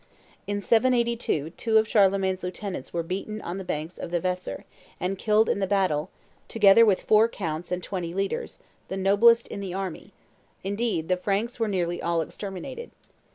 In 782 two of Charlemagne's lieutenants were beaten on the banks of the Weser, and killed in the battle, together with four counts and twenty leaders, the noblest in the army; indeed the Franks were nearly all exterminated.